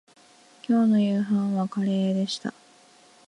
きょうの夕飯はカレーでした